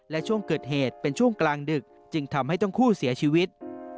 และช่วงเกิดเหตุเป็นช่วงกลางดึกจึงทำให้ทั้งคู่เสียชีวิต